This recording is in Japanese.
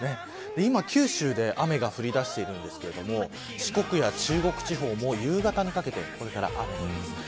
今、九州で雨が降り出しているんですけれども四国や中国地方も夕方にかけてこれから雨になります。